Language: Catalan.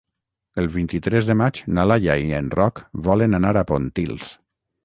El vint-i-tres de maig na Laia i en Roc volen anar a Pontils.